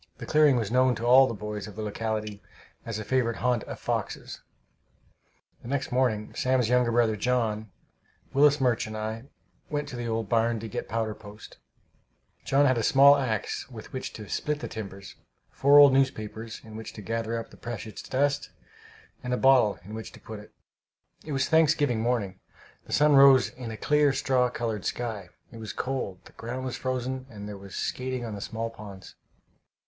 The clearing was known to all the boys of the locality as a favorite haunt of foxes. The next morning Sam's younger brother, John, Willis Murch and I went up to the old barn to get powder post. John had a small axe with which to split the timbers, four old newspapers in which to gather up the precious dust, and a bottle in which to put it. It was Thanksgiving morning. The sun rose in a clear, straw colored sky. It was cold; the ground was frozen, and there was skating on the small ponds.